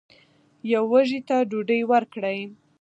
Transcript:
یو وږي ته ډوډۍ ورکړئ.